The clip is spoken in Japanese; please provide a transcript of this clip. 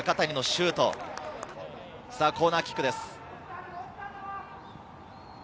コーナーキックです。